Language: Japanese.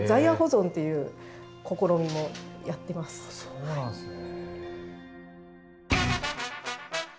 そうなんですね。